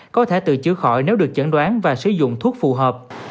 có thể tự chữa khỏi nếu được chẩn đoán và sử dụng thuốc phù hợp